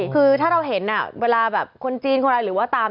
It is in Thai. คือถ้าเราเห็นเวลาคนจีนหรือว่าตาม